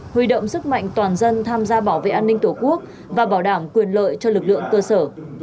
huy động sức mạnh toàn dân tham gia bảo vệ an ninh tổ quốc và bảo đảm quyền lợi cho lực lượng cơ sở